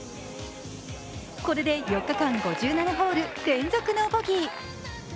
これで４日間５７ホール連続ノーボギー。